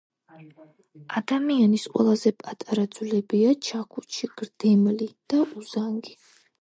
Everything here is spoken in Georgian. ადამიანის ყველაზე პატარა ძვლებია :ჩაქუჩი, გრდემლი და უზანგი